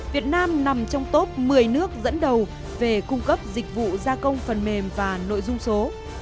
việt nam nằm trong top một mươi nước dẫn đầu về cung cấp dịch vụ gia công phần mềm và nội dung số